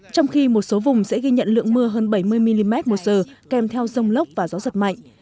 trong khi một số vùng sẽ ghi nhận lượng mưa hơn bảy mươi mm một giờ kèm theo rông lốc và gió giật mạnh